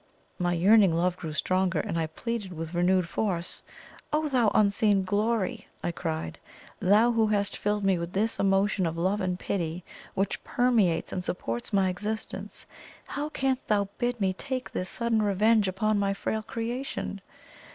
My yearning love grew stronger, and I pleaded with renewed force. "Oh, thou Unseen Glory!" I cried; "thou who hast filled me with this emotion of love and pity which permeates and supports my existence, how canst thou bid me take this sudden revenge upon my frail creation!